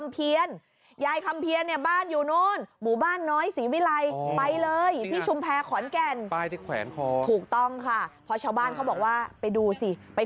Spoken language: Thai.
เพราะพี่ถูกคนชัวร์เผ่าบ้านเผ่าเพื่อน